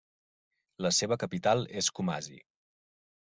La seva capital és Kumasi.